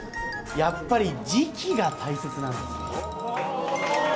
やっぱりじきが大切なんです。